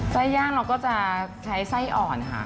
ย่างเราก็จะใช้ไส้อ่อนค่ะ